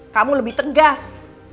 kamu lebih tegas